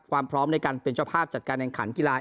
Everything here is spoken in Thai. ความพร้อมในการเป็นเจ้าภาพจัดการแข่งขันกีฬา